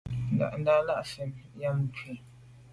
Ndà’ndà’ lα mfɛ̂l ὰm Ndʉ̂kə.